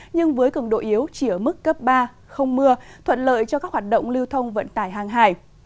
nhưng với cường độ yếu chỉ ở mức cấp ba không mưa thuận lợi cho các hoạt động lưu thông vận tải hàng hải